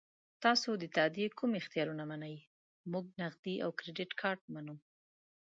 تاسو د تادیې کوم اختیارونه منئ؟ موږ نغدي او کریډیټ کارت منو.